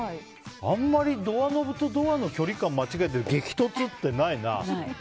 あんまりドアノブとドアの距離感間違えて激突ってないな。